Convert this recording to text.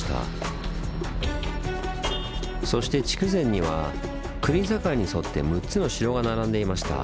そして筑前には国境に沿って６つの城が並んでいました。